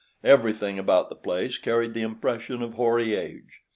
Everything about the place carried the impression of hoary age.